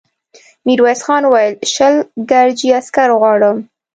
ميرويس خان وويل: شل ګرجي عسکر غواړم.